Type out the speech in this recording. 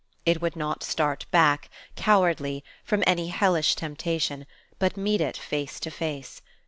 It would not start back, cowardly, from any hellish temptation, but meet it face to face.